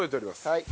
はい。